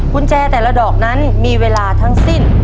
กุญแจแต่ละดอกนั้นมีเวลาทั้งสิ้น